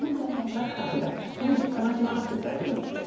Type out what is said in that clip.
だからそんなに悲しまなくても大丈夫なんで。